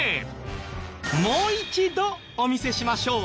もう一度お見せしましょう。